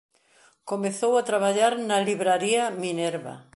Comezou a traballar na libraría Minerva.